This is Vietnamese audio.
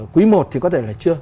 quý một thì có thể là chưa